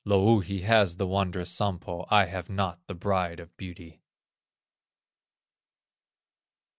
Louhi has the wondrous Sampo, I have not the Bride of Beauty."